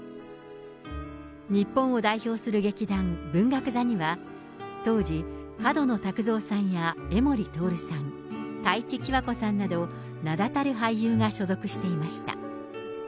日本を代表する劇団、文学座には、当時、角野卓造さんや江守徹さん、太地喜和子さんなど、名だたる俳優が所属していました。